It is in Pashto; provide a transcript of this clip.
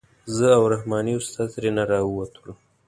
زه او رحماني استاد ترېنه راووتلو.